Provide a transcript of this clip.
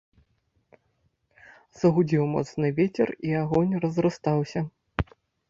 Загудзеў моцны вецер, і агонь разрастаўся.